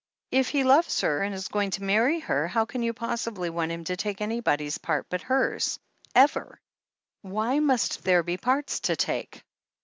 If he loves her and is going to marry her, how can you possibly want him to take anybody's part but hers — ever ?" "Why must there be 'parts' to take